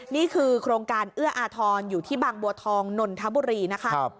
นี่คือโครงการเอื้ออาทรอยู่ที่บางบัวทองนนทบุรีนะคะ